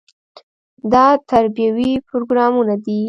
دا تربیوي پروګرامونه دي.